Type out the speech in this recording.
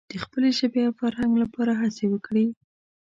د خپلې ژبې او فرهنګ لپاره هڅې وکړي.